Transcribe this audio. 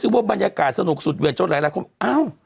ว่าบรรยากาศสนุกสุดเวียดจนหลายคนอ้าว